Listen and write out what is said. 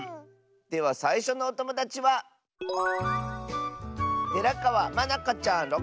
ではさいしょのおともだちはまなかちゃんの。